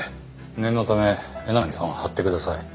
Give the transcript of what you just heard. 念のため江波さんを張ってください。